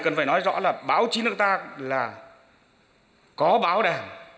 cần phải nói rõ là báo chí nước ta là có báo đảng